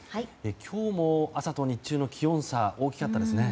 今日も朝と日中の気温差が大きかったですよね。